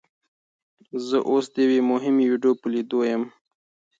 زه اوس د یوې مهمې ویډیو په لیدو یم.